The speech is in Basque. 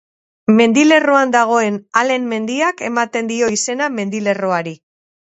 Mendilerroan dagoen Alen mendiak ematen dio izena mendilerroari.